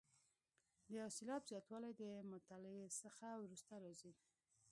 د یو سېلاب زیاتوالی د مطلع څخه وروسته راځي.